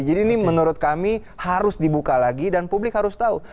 jadi ini menurut kami harus dibuka lagi dan publik harus tahu